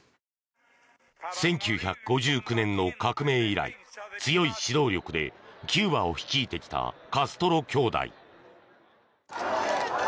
１９５９年の革命以来強い指導力でキューバを率いてきたカストロ兄弟。